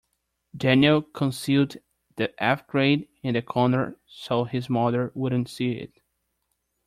Daniel concealed the F grade in the corner so his mother wouldn't see it.